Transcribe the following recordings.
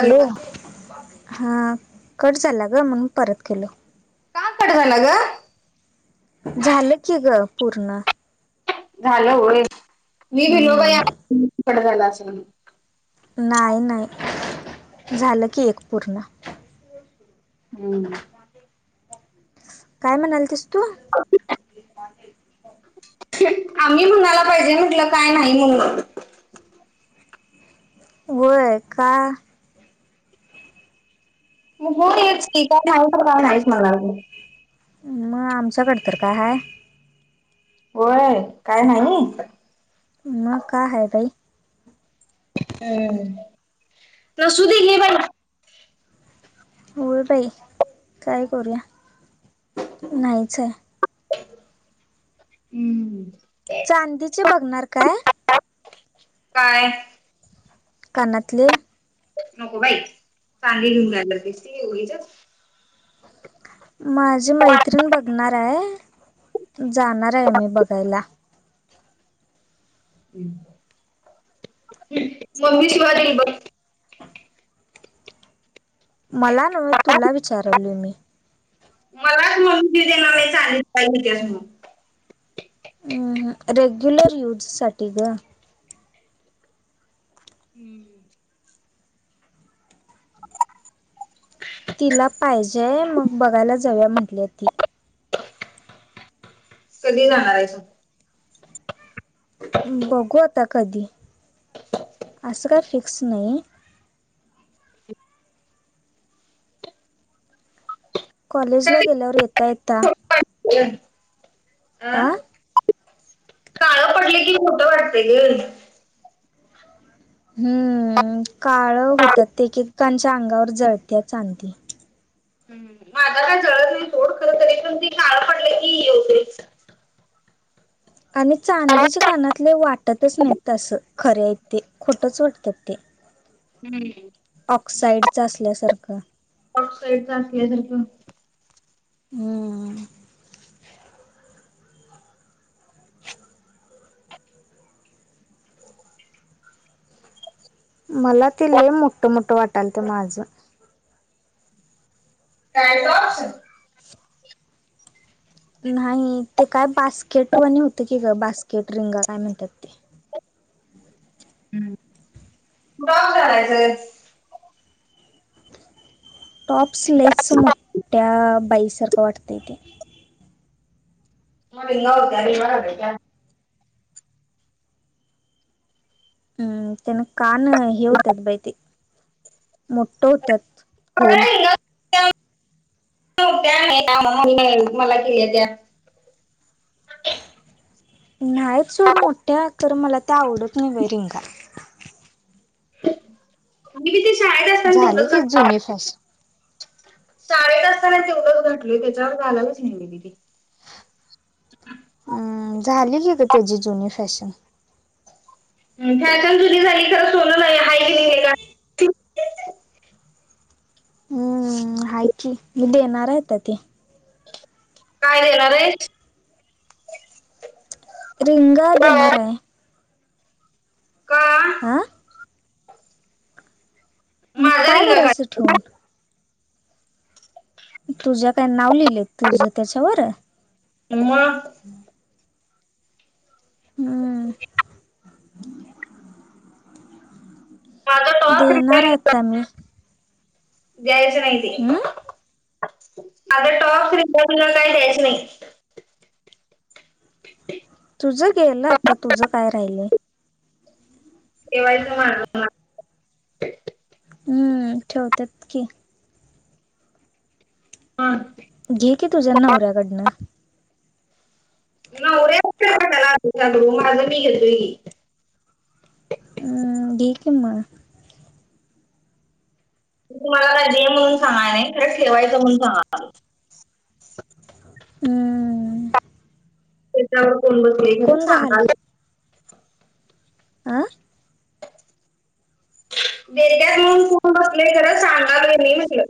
Hello, हा cut झाला गं म्हणून परत केलो. का, कट झाल गं झालं की ग पूर्ण. झालं होय, मी भिलो बाई हम्म कट झालं असं म्हणून. नाही नाही झालं, की एक पूर्ण. हम्म. काय म्हणालतीस तू, आम्ही म्हणायला पाहिजेल. काय नाही म्हणून व्हयं का, मग बोलचं की [unintelligible] मग आमच्याकड तर काय हाय. व्हयं काय हाय नी. मग काय आहे बाई. हम.. नसु दे घे बाई. होय बाई, काय करूया नाहीचं हाय. हम्म. चांदीची बघणार काय, काय? कानातले. नको बाई, चांदी घेऊन काय करतीस ती उगिचंच. माझी मैत्रिण बघणार आहे. जाणार आहे मी बघायला. मम्मी शिवा दिल बघ. मला नव्ह तुला विचारलोय मी. मी देणार [unintelligible] रेग्युलर यूज साठी गं. हम्म. तिला पाहिजेय. मग बघायला जावूया म्हटल्या ती. कधी जाणार आहेसा. बघू आता कधी असं काय फिक्स नाही. कॉलेज ला गेल्यावर यता यता. आं. आ? काळं पडले की मोठ वाटतेल. हम्म काळ होतात ते ककांच्या अंगावर जळते चांती. ह् माझा काय जळत नाही सोड खर तरी पण तेी काळ पडले की ये होते. आणि चांदीच्या कानातले वाटतच नाहीत तसं खरे आहेत ते खोटंच वाटतं ते. हम्म. ऑक्साइडचं असल्यासारखं. ऑक्साईड चा असल्याय जर का. हम्. हो. मला ते ले मोठं मोठं वाटालत माझं. कायचश. नाही ते काय बास्केटवाणे होत की ग बास्केट रिंगा काय म्हणतात ते. बॉब झालायचं. टॉप्स लेस मोठ्या बाईसारखं वाटतं य तेे. नडी नवत अरी वा ब. हम्म त्यान कान. घेवतात बाै ते मोठठ होतात होोल. खरं हो त्या नाही मला केली त्या. नाही सोड मोठे तर मला ते आवडत नाही बा रिंगा. मी मी ते शाळेत असताना तेवढंच. विश. शाळेत असताना तेवढच घटलय त्याच्यावर झायलाच हेलेली तेी. झाली की ग त्याची जुनी फॅशन. त्याच्यान जुरी झाली खर सोनं नाही हय. हम्म हाय कि मि देणाराय येत ते. काय देणार आहे. रिंगा देणारा आहे. का. आा. मग माझा काय रिंगा करायचं काढ ठेवून. तुझ्या काय नाव लिहिलं तुझं त्याच्यावर. म. हम्. माझा टॉप देणार रिंगा आता मी. द्यायचं नाही. हम्म. आता टॉप फ्री ति काही द्यायच नाही. तुझं गेल आता तुझं काय राहिलय. एव्हाय त मा. हम्म ठेवतत की. पाठ. घेते तूझ्यांना उऱ्याकडनं. नाेलाड माझ मी घेतोी. हम् जेक म. तुम्हाला काय दे म्हणून सांगा नाही खरं ठेवायं म्हणून सांगा. हम्. त्याच्यावर कोण बघले कोण सांगा. आं देत्यात म्हणून [unintelligible] बसले खरं सांगलो मी म्हटल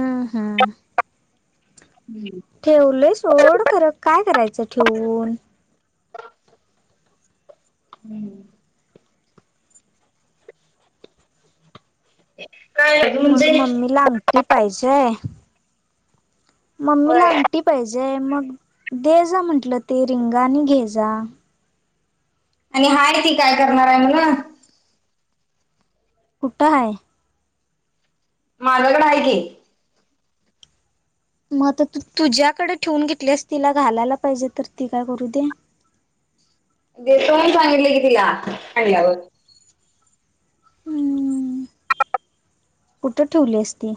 आम् हम्म हम्म ठेवलंय सोड खर काय करायचं ठेवून हम्म काय मग म्हणजे मम्मीला आंगठी पाहिजे. मम्मीला होय अंगठी पाहिजे मग दे जा म्हंटलं ते रिंगा आणि घे जा आणि हाय ती काय करणार आहे म्हण कुठं हाय माझ्याकडें आहे की मग तर तू तुझ्याकडे ठेवून घेतलीस तिला घालायला पाहिजे तर ती काय करू दे देतो सांगितले की तिला आणांल्यावर हम कुठ ठेवली असती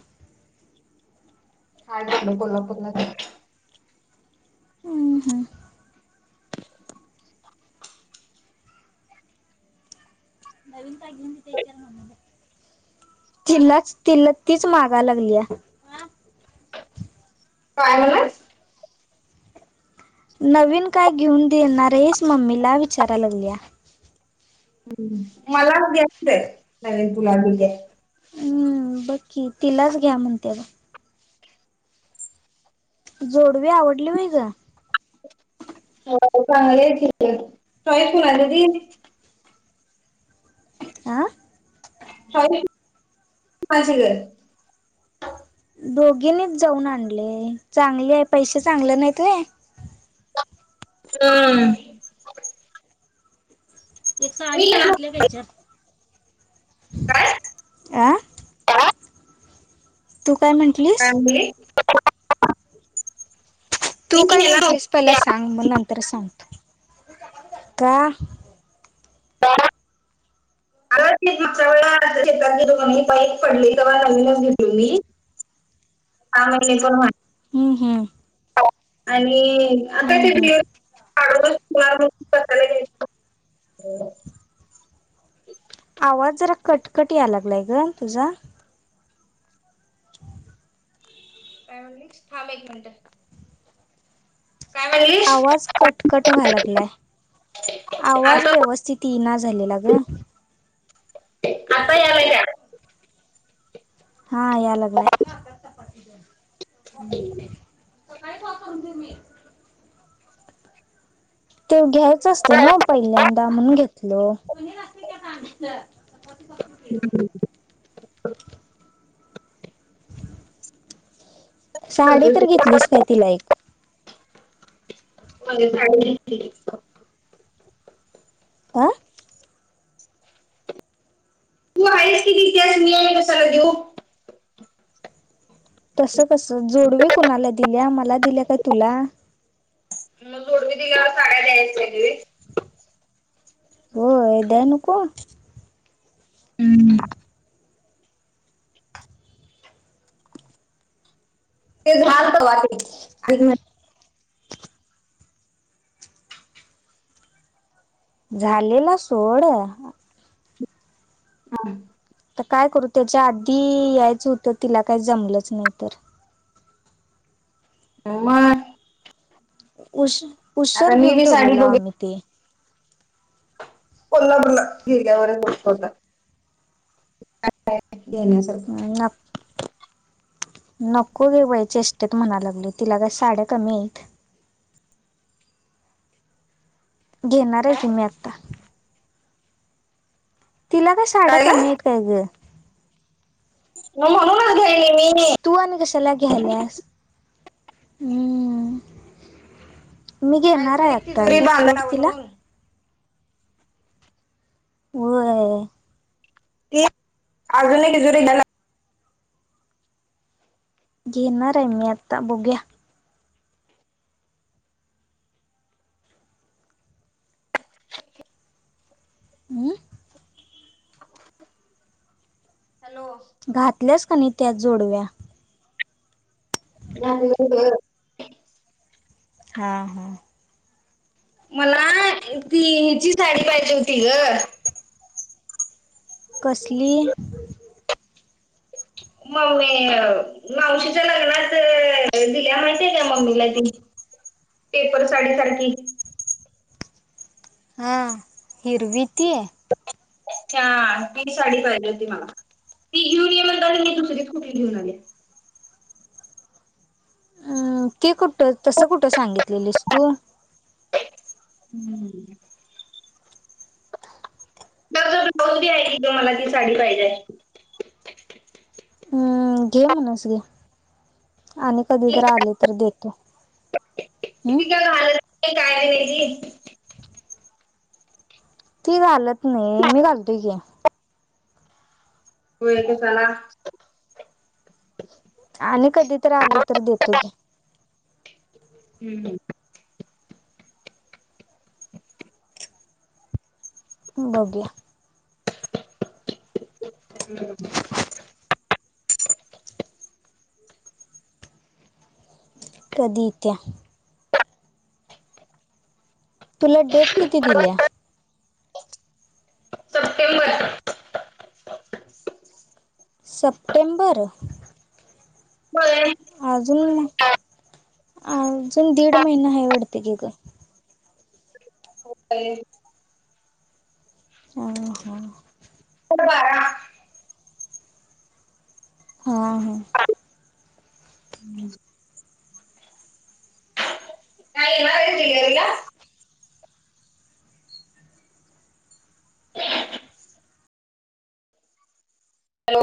हा झाल कोल्हापूरला आम् हम [unintelligible] तिल्लाच तिल्ल तीच मगा लागलीया. काय [unintelligible] नवीन काय घेऊन देणार आहेस मम्मीला विचारा लागलीया. ह् मलाच घेतलेत नवीन तुला भी घ्या - हम्म बकी तिलाच घ्या म्हणते जोडवी आवडली होय ग हो चांगले ठीक आहे चॉईस [unintelligible] आ [unintelligible] दोघीनीच जाऊन आणले चांगले आहे पैसे चांगले नाहीत व्हय हम् एक मी साडी तर येणार घेतलीय का इचार काय आं तू काय म्हण काय म्हणली तू मी काय घेणार म्हंटलीस होते पहिला सांग मग नंतर सांगतो का अर मागच्या व आ शेतात गेलो की नई बाईक पडली तेव्हा नवीनच घेतलो मी [unintelligible] हम्म हम् आणि आता हम्म. ते [unintelligible] आवाज जरा कटकट याय लागलाय ग तुझा थांब एक मिनिटं काय म्हणली आवाज कटकट व्हा लागलाय. आवाज आता व्यवस्थित इना झालेला ग आता यायलाय का हा या लागलाय. सकाळी का [unintelligible] ते घ्यायच असते ना पहिल्यांदा म्हणून घेतल हम्म साडी तर घेतलीस काय तिला एक साडी [unintelligible] आ तू आहेस कि ततिच मी आहे कसाला देऊ? तस कस जोडवे कुणाला दिल्या मला दिल्या काय तुला? मग जोडवी दिल्याला साड्या द्याय वय? हो द्या नको? हम्म [unintelligible] झालेला सोड हा तर काय करू त्याच्या आधी यायचं होतं तिला काही जमलंच नाही तर म म उश आता उशर मी घेऊन बी साडी ठेवलेला बघ आम्ही ते कोला बल्ला हिरग्यावरष्ट होतातण्यास. ना नको घेवायचेष्टेत म्हणायला लागले तिला काय साड्या कमी आहेत. घेणार आहे काय की मी आता. [unintelligible] तिला का शाड्या काय गं कमी आहेत काय ग? म्हणूनच घे नई मिनी. तू आणि कशाला घेतल्यास. मी अजून घेणाऱ्या आता तिजोरी एक बांधायला सोड लावली तिला. म्हणून होई ते अर्जून कि जुरी गाला घे नार आहे मी आता बघूया. हम् हॅलो घातल्यास का नाही त्या जोडव्या? नाही ग! हा हा मला ती हीची साडी पाहिजे होती ग! कसली? ममेव मावशीच्या लग्नात दिल्या म्हणते त्या मम्मीला ती पेपर साडी सारखी हां हिरवीती? छान ती साडी पाहिजे होती मला. [unintelligible] अम् ते कुठ तसं कुठं सांगितलेलेस तू? हम्म ज जर ब्लाऊज बी आहे की ग मला ती साडी पाहिजे. हम्म [unintelligible] आणि कधी ती जर आले तर देतो काय हम् ती काय घालत नाही काय आहे नाही ती ती घालत नाही मी घालतोय की. हो एक चला आणि कधी तर आली तर देतो की हम् बघ्या हम कधी येत्या तुला डेट किती दिलीया. September September. होय. अजून अजून दीड महिना आहे वाटते की ग. हो का. हो हो. हो बारा. हा हा. काय येणार आहे डिलिव्हरीला? हॅलो